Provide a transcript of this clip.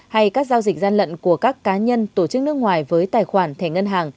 hay các giao dịch gian lận của các cá nhân tổ chức nước ngoài với tài khoản thẻ ngân hàng